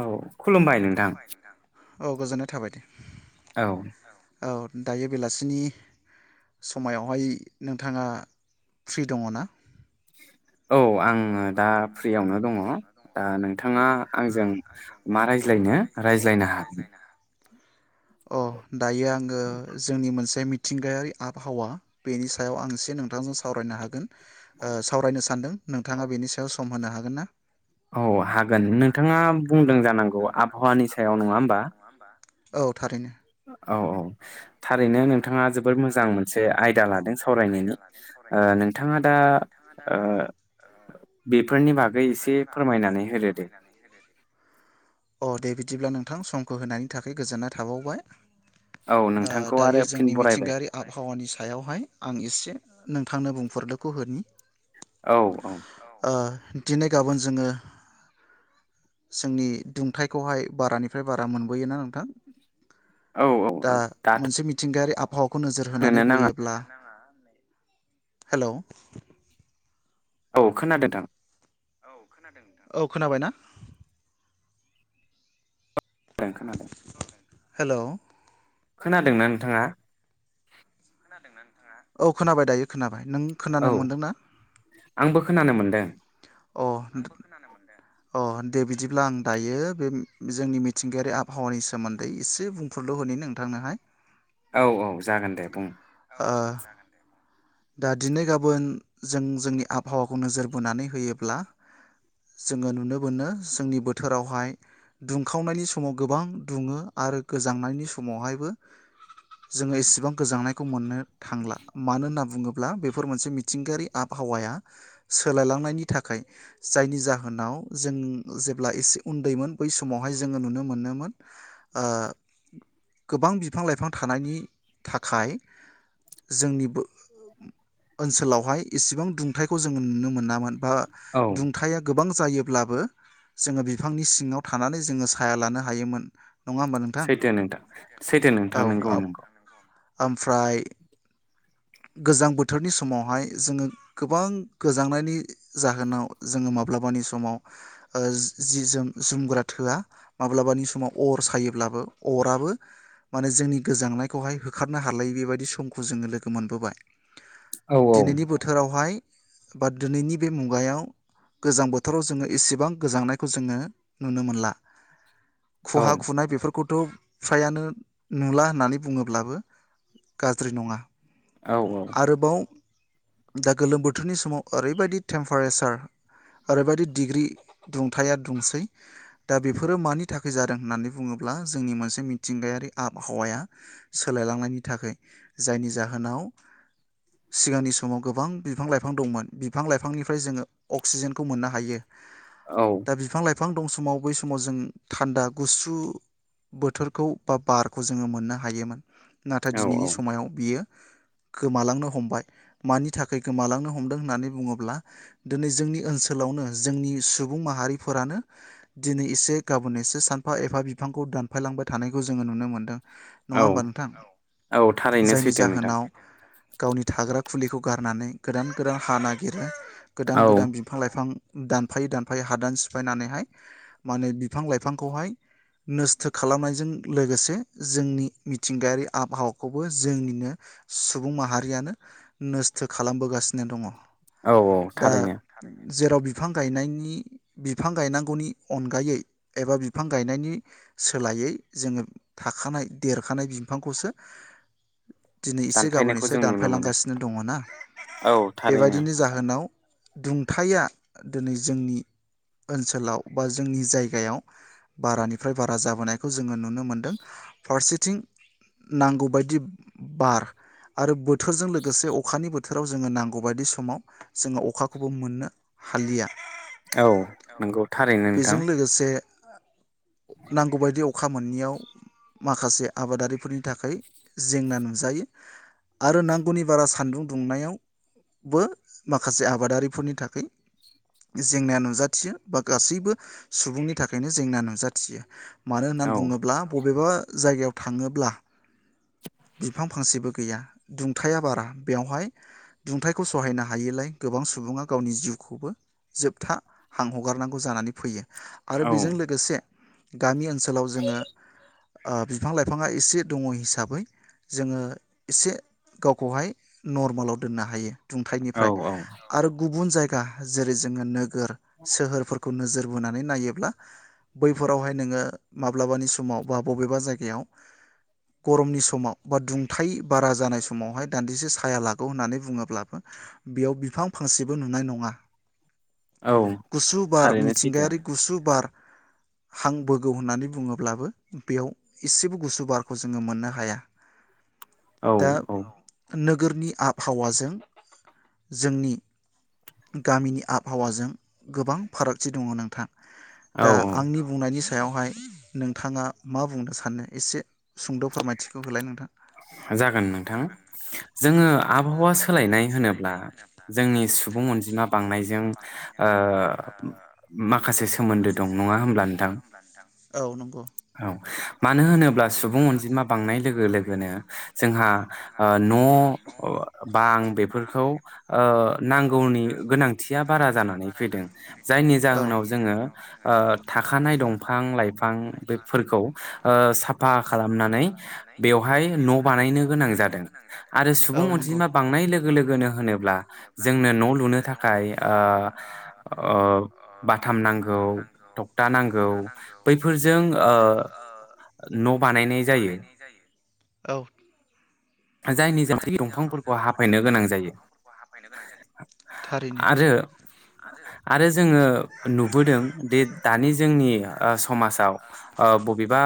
औ खुलुमबाय नोंथां औ गोजोननाय थाबाय दे औ औ दायो बेलासिनि समायावहाय नोंथाङा फ्रि दङ ना औ आङो दा फ्रियावनो दङ दा नोंथाङा आंजों मा रायज्लायनो रायज्लायनो हागोन अ दायो आङो जोंनि मोनसे मि थिंगायारि आबहावा बेनि सायाव आं एसे नोंथांजों सावरायनो हागोन ओ सावरायनो सानदों नोंथाङा बेनि सायाव सम होनो हागोन ना औ हा गोन नोंथाङा बुंदों जानांगौ आबहावानि सायाव नोङा होमबा औ थारैनो औ औ थारैनो नोंथाङा जोबोद मोजां मोन आयदा लादों सावरायनायनि नोंथाङा दा ओ बेफोरनि बागै एसे फोरमायनानै होदो दे अ दे बिदिब्ला नों थां समखौ होनायनि थाखाय गोजोननाय थाबावबाय औ नोंथांखौ दायो जोंनि मिथिंगायारि आबहावानि सायावहाय आं एसे नोंथांनो बुंफोरलुखौ होनि औ औ ओ दिनै गाबोन जोङो जोंनि दुंथाइखौहाय बारानिफ्राय बारा मोनबोयोना नोंथां औ औ दाथ' मोनसे मिथिंगायारि आबहावा खौ नोजोर होनानै बोयोब्ला हेलौ औ खोनादो नोंथां औ खोनादों नोंथां औ खोनाबाय ना [unintelligible] खोनादों हेलौ खोनादोंना नोंथाङा थाङा औ खोनाबाय दायो खोना बाय नों खोनानो मोन्दोंना खोनानो मोन्दों अ अ दे बिदिब्ला आं दायो बे जोंनि मिथिंगायारि आबहावानि सोमोन्दै एसे बुंफोरल' होनि नोंथांनोहाय औ औ जागोन दे बुं ओ दा दिनै गाबोन जों जोंनि आबहावाखौ नोजोर बोनानै होयोब्ला जोङो नुनो मोनो जोंनि बोथोरावहाय दुंखावनायनि समाव गोबां दुङो आरो गोजांनायनि समावहायबो जोङो एसेबां गोजांनायखौ मोननो थांला मानो होनना बुङोब्ला बेफोर मोनसे मिथिंगायारि आबहावाया सोलायलांनायनि थाखाय जायनि जाहोनाव जों जेब्ला एसे उन्दैमोन बै समावहाय जोङो नुनो मोनोमोन ओ गोबां बिफां लाइफां थानायनि थाखाय जोंनिबो ओनसोलावहाय इसेबां दुंथाइखौ जोङो नुनो मोनामोन बा दुंथाया गोबां जायोब्लाबो जोङो बिफांनि सिङाव थानानै जोङो साया लानो हायोमोन सैथो नोंथां सैथो नोंथां नोंगौ नोंगौ ओमफ्राय गोजां बोथोरनि समावहाय जोङो गोबां गोजांनायनि जाहोनाव जोङो माब्लाबानि समाव जि जोम जोमग्रा थोआ माब्लाबानि समाव अर सायोब्लाबो अराबो माने जोंनि गोजांनायखौहाय होखारनो हालाय बेबायदि समखौ जोङो लोगो गो मोनबोबाय दिनैनि बोथोरावहाय बा दिनैनि बे मुगायाव गोजां बोथोराव जोङो इसेबां गोजांनायखौ जोङो नुनो मोनला खुहा खुनाय बेफोरखौ थ' फ्रायानो नुला होननानै बुङोब्लाबो गाज्रि नङा आरोबाव दा गोलोम बोथोरनि समाव ओरैबायदि टेम्पारेसार ओरैबायदि डिग्रि दुंथाया दुंसै दा बेफोरो मानि थाखाय जादों होननानै बुङोब्ला जोंनि मोनसे मिथिंगायारि आबहावाया सोलायलांनायनि थाखाय जायनि जाहोन नाव सिगांनि समाव गोबां बिफां लाइफां दंमोन बिफां लाइफांनिफ्राय जोङो अक्सिजेनखौ मोननो हायो दा बिफां लाइफां बिफां दं समाव बै समाव जों थान्दा गुसु बोथोरखौ बा बारखौ जोङो मोननो हायोमोन नाथाय दिनैनि समायाव बियो गोमालांनो हमबाय मानि थाखाय गोमालांनो हमदों होननानै बुङोब्ला दिनै जोंनि ओनसोलावनो जोंनि सुबुं माहारिफोरानो दिनै एसे गाबोन एसे सानफा एफा बिफांखौ दानफायलांबाय थानायखौ जोङो नुनो मोन्दों औ औ थारैनो सैथो जाहोनाव गावनि थाग्रा खुलिखौ गारनानै गोदान गोदान हा नागिरो गोदान गोदान बिफां लाइफां दानफायै दानफायै हादान सिफायनानैहाय माने बिफां लाइफांखौहाय नोस्थ' खालामनायजों लोगोसे जोंनि मिथिंगायारि आबहावाखौबो जोंनिनो सुबुं माहारियानो नोस्थो खालामबोगासिनो दङ औ औ थारैनो जेराव बिफां गायनायनि बिफां गायनांगौनि अनगायै एबा बिफां गायनायनि सोलायै जोङो थाखानाय देरखानाय बिफांखौसो दिनै एसे गाबोन एसे दानफायलांगासिनो दङ ना बेबायदिनि जाहोनाव दुंथाया दिनै जोंनि ओनसोलाव बा जोंनि जायगायाव बारानिफ्राय बारा जाबोनायखौ जोङो नुनो मोनदों फारसेथिं नांगौबायदि बार आरो बोथोरजों लोगोसे अखानि बोथोराव जोङो नांगौ बायदि समाव जोङो अखाखौबो मोननो हालिया औ नंगौ थारैनो नोंथां नांगौबायदि अखा मोनैयाव माखासे आबादारिफोरनि थाखाय जेंना नु नुजायो आरो नांगौनि बारा सान्दुं दुंनायावबो माखासे आबादारिफोरनि थाखाय जेंनाया नुजाथियो बा गासैबो सुबुंनि थाखायनो जेंना नुजाथियो मानो होननानै बुङोब्ला बबेबा जायगायाव थाङोब्ला बिफां फांसेबो गैया दुंथाया बारा बेवहाय दुंथाइखौ सहायनो हायिलाय गोबां सुबुङा गावनि जिउखौबो जोबथा हां हगारनांगौ जानानै फैयो आरो बेजों लोगोसे गामि ओनसोलाव जोङो ओ बिफां लाइफाङा एसे दङ हिसाबै जोङो एसे गावखौहाय नर्मेलाव दोननो हायो दुंथायनिफ्राय आरो गुबुन जायगा गा जेरै जोङो नोग गोर सोहोरफोरखौ खौ नोजोर बोनानै नायोब्ला बैफोरावहाय नोङो माब्लाबानि समाव बा बबेबा जायगायाव गरमनि समाव बा दुंथाय बारा जानाय समावहाय दान्दिसे साया लागौ होननानै बुङोब्लाबो बेयाव बिफां फांसेबो नुनाय नङा गुसु बार मिथिंगायारि गुसु बार हां बोगौ होननानै बुङोब्लाबो बेयाव एसेबो गुसु बारखौ जोङो मोननो हाया दा नो नोगोरनि आबहावाजों जोंनि गामिनि आबहावाजों गोबां फारागथि दङ नोंथां दा आंनि बुंनायनि स सायावहाय नोंथाङा मा बुंनो सानो एसे सुंद' फोरमाय जागोन नोंथां जोङो आबहावा सोलायनाय होनोब्ला जोंनि सुबुं अनजिमा बांनायजों ओ माखासे सोमोन्दो दं नङा होमब्ला नोंथां औ मानो होनोब्ला सुबुं अन जिमा बांनाय लोगो लोगोनो जोंहा ओ न' बां बेफोरखौ ओ नांगौनि गोनांथिया बारा जानानै फैदों जायनि जाहोनाव जोङो ओ थाखानाय दंफां लाइफां बेफोरखौ ओ साफा खालामना नानै बेवहाय न' बानायनो गोनां जादों आरो सुबुं अनजिमा बांनाय लोगो लोगोनो होनोब्ला जोंनो न' लुनो थाखाय ओ ओ बाथाम नांगौ टकटा नांगौ बैफोरजों ओ न' बा न' बानायनाय जायो औ जायनि ज दंफांफोरखौ हाफायनो गोनां जायो आरो आरो जोङो नुबोदों दि दानि जोंनि समाजाव ओ बबेबा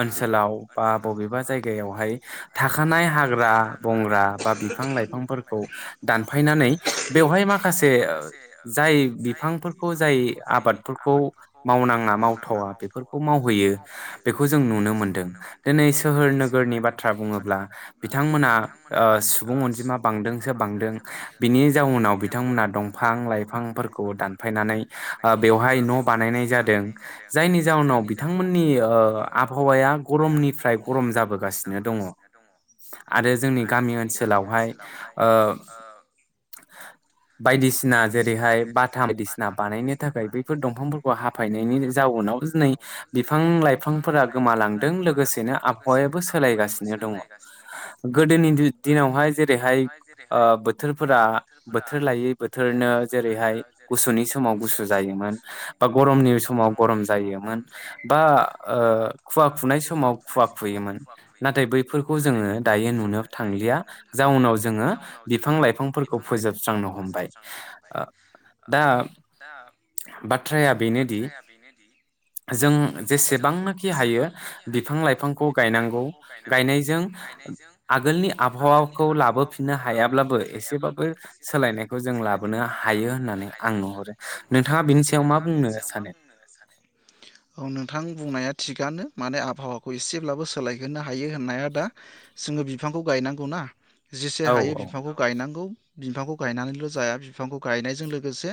ओनसोलाव बा बबेबा जायगायावहाय थाख नाय हाग्रा बंग्रा बा बिफां लाइफांफोरखौ दानफायनानै बेवहाय माखासे जाय बिफांफोरखौ जाय आबादफोरखौ मावनाङा मावथावा बेफोरखौ मावहैयो बेखौ जों नु नुनो मोनदों दिनै सोहोर नोगोरनि बाथ्रा बुङोब्ला बिथांमोना ओ सुबुं अनजिमा बांदोंसो बांदों बिनि जाउनाव बिथांमोना दंफां लाइफांफोरखौ दानफायनानै बेवहाय न' बानायनाय जादों जायनि जाउनाव बिथांमोननि ओ आबहा आबहावाया गरमनिफ्राय गरम जाबोगासिनो दङ आरो जोंनि गामि ओनसोलावहाय ओ बायदिसिना जेरैहाय बाथाम बायदिसिना बानायनो थाखाय बैफोर दंफांफोरखौ हाफायनायनि जाउनाव दिनै बिफां लाइफांफोरा जों लोगोसेनो आबहावायाबो सोलायगासिनो दङ गोदोनि दिनावहाय जेरैहाय ओ बोथोरफोरा बोथोर लायै बोथोरनो जेरैहाय गुसुनि समाव गुसु जायोमोन बा गरमनि समाव गरम जायोमोन बा ओ खुवा खुनाय समाव खुवा खुयोमोन नाथाय बै फोर जोङो दायो नुनो थांलिया जाउनाव जोङो बिफां लाइफांफोरखौ फोजोबस्रांनो हमबाय दा बाथ्राया बेनोदि जों जेसेबांनो हायो बिफां लाइफांखौ गायनांगौ गायनायजों आगोलनि आबहावाखौ लाबोफिननो हायाब्लाबो एसेबाबो सोलायनायखौ जों लाबोनो हायो होननानै आं नुहरो नोंथाङा बेनि सायाव मा बुंनो सानो औ नोंथां बुंनाया माने आबहावाखौ एसेब्लाबो सोलायहोनो हायो होननाया दा जोङो बिफांखौ गायनांगौ ना जेसे हायो बिफांखौ गायनांगौ बिफांखौ गायनानैल' जाया बिफांखौ गायनायजों लोगोसे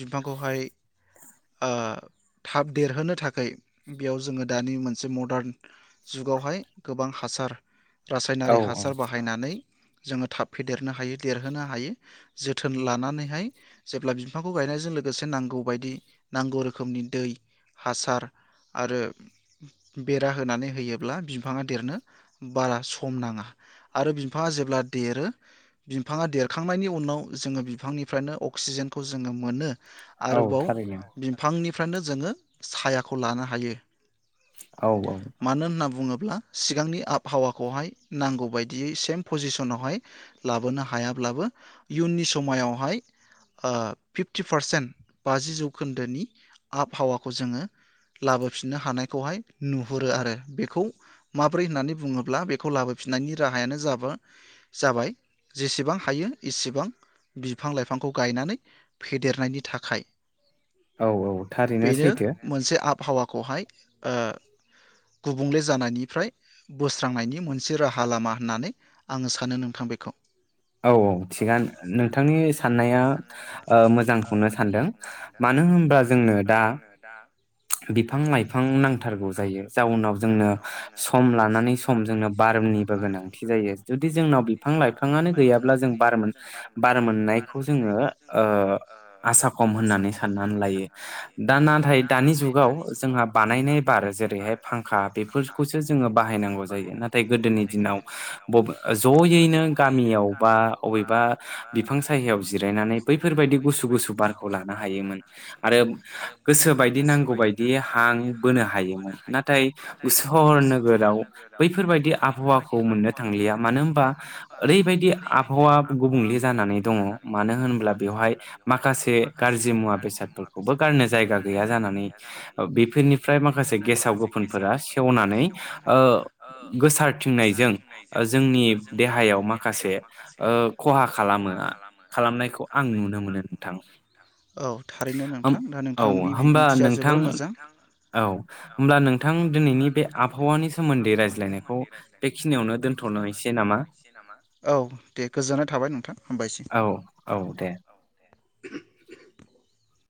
बिफांखौहाय ओ थाब देरहोनो थाखाय बेयाव जोङो दानि मोनसे मदार्न जुगावहाय गोबां हासार रासायनारि हासार बाहायनानै जोङो थाब फेदेरनो हायो देरहोनो हायो जोथोन लानानैहाय जेब्ला बिफांखौ गायनायजों लोगोसे नांगौबायायदि नांगौ रोखोमनि दै हासार आरो बेरा होनानै होयोब्ला बिफाङा देरनो बारा सम नाङा आरो बिफाङा जेब्ला देरो बिफाङा देरखांनायनि उनाव जोङो बिफांनिफ्रायनो अक्सिजेनखौ जोङो मोनो आरोबाव बिफांनि फ्रायनो जोङो सायाखौ लानो हायो हायो औ औ बुङोब्ला सिगांनि आबहावाखौहाय नांगौ बायदियै सेम पजिसनावहाय लाबोनो हायाब्लाबो इयुननि समायावहाय ओ फिफटि पारसेन्ट बाजि जौखोन्दोनि आबहावाखौ जोङो लाबोफिननो हानायखौहाय नुहुरो आरो बेखौ माब्रै होननानै बुङोब्ला बेखौ लाबोफिननायनि राहायानो जाब जाबाय जेसेबां हायो एसेबां बिफां लाइफांखौ गायनानै फेदेरनायनि थाखाय औ औ थारैनो सैथो बावाखौहाय गुबुंले जानायनिफ्राय बोस्रांनायनि मोनसे राहा लामा होननानै आङो सानो नोंथां बेखौ औ औ थिगानो नोंथांनि साननाया ओ मोजांखौनो सानदों मानो होनबा जोंनो दा बिफां लाइफां नांथारगौ जायो जाउनाव जोंनो सम लानानै सम जोंनो बारनिबो गोनांथि जायो जुदि जोंनाव बिफां लाइफाङानो गैयाब्ला जों बार मोन बार मोननायखौ जोङो ओ आसा खम होननानै साननानै लायो दा नाथाय जुगा दानि जुगाव जोंहा बानायनाय बार जेरैहाय फांखा बेफोरखौसो जोङो बाहायनांगौ जायो नाथाय गोदोनि दिनाव जयैनो गामियाव बा बबेबा बिफां सायहायाव जिरायनानै बैफोरबायदि गुसु गुसु बारखौ लानो हायोमोन आरो नांगौबाय बिदि हां बोनो हायोमोन नाथाय सहर नोगोराव बैफोरबायदि आबहावाखौ मोननो थांलिया मानो होनबा ओरैबायदि आबहावा गुबुंले जानानै दङ मानो होन्ला बेवहाय माखासे गाज्रि मुवा बेसादफोरखौबो गारनो जायगा गैया जान बेफोरनिफ्राय माखासे गेसाव गोफोनफोरा सेवनानै गोसारथिंनायजों जोंनि देहायाव माखासे खहा खालामो खालामनायखौ आं नुनो मोनो नोंथां औ थारैनो नोंथां दा नोंथांनि बिुं नोंथां औ होनबा नोंथां होमब्ला नोंथां दिनैनि बे आबहावानि सोमोन्दै रायज्लायनायखौ बेखिनियावनो दोनथ'नोसै नामा औ दे गोजोननाय थाबाय नोंथां हामबायसै औ औ दे [inaudible]